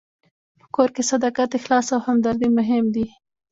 په کور کې صداقت، اخلاص او همدردي مهم دي.